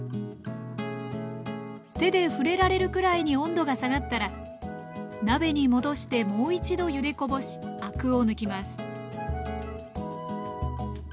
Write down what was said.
手で触れられるくらいに温度が下がったら鍋に戻してもう一度ゆでこぼしアクを抜きます